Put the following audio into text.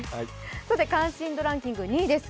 関心度ランキング２位です。